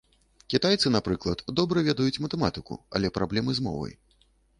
Кітайцы, напрыклад, добра ведаюць матэматыку, але праблемы з мовай.